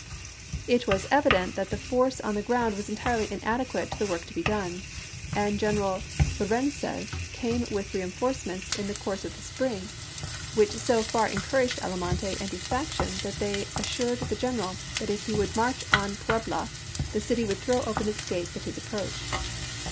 It was evident that the force on the ground was entirely inadequate to the work to be done ; and General Lorencez came with reenf orcements in the course of the spring, which so far encouraged Almonte and his faction that they assured the general that if he would march on Puebla the city would throw open its gates at his approach.